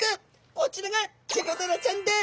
こちらがチゴダラちゃんです。